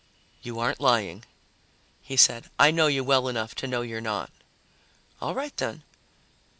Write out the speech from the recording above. "You aren't lying," he said. "I know you well enough to know you're not." "All right, then."